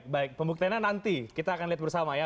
baik pembuktiannya nanti kita akan lihat bersama ya